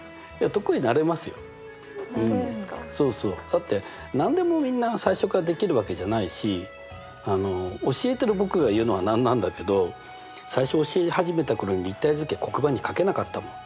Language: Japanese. だって何でもみんな最初からできるわけじゃないし教えてる僕が言うのは何なんだけど最初教え始めた頃に立体図形黒板に描けなかったもん。